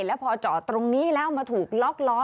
แล้วพอจอดตรงนี้แล้วมาถูกล็อกล้อ